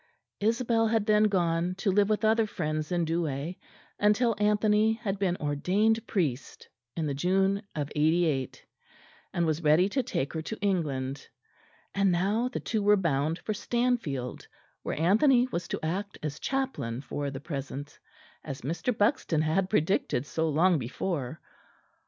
Isabel had then gone to live with other friends in Douai, until Anthony had been ordained priest in the June of '88, and was ready to take her to England; and now the two were bound for Stanfield, where Anthony was to act as chaplain for the present, as Mr. Buxton had predicted so long before.